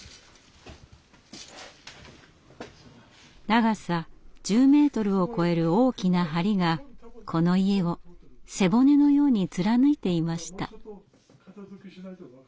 長さ１０ｍを超える大きな梁がこの家を背骨のように貫いていました。